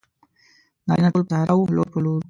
نارینه ټول پر صحرا وو لور په لور وو.